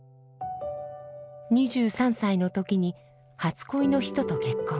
２３歳の時に初恋の人と結婚。